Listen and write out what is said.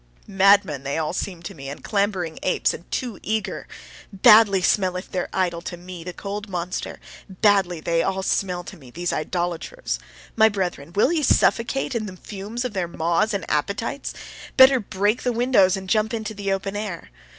Madmen they all seem to me, and clambering apes, and too eager. Badly smelleth their idol to me, the cold monster: badly they all smell to me, these idolaters. My brethren, will ye suffocate in the fumes of their maws and appetites! Better break the windows and jump into the open air!